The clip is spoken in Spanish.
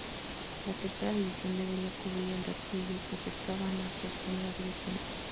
La tercera división debería cubrir el repliegue que efectuaban las dos primeras divisiones.